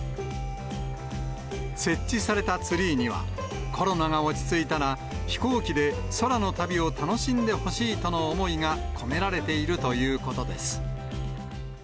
設置されたツリーには、コロナが落ち着いたら、飛行機で空の旅を楽しんでほしいとの思いが込められているということです。